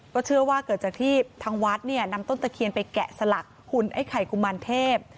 ก็เชื่อว่าเกิดจากที่ทางวัดเนี่ยนำต้นตะเคียนไปแกะสลักหุ่นไอ้ไข่กุมารเทพ